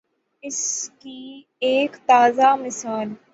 اس کی ایک تازہ مثال